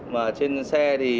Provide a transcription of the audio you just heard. mà trên xe thì